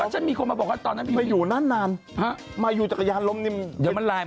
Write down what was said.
หัวไม่ได้กระแทกใช่ไหมใช่ไหม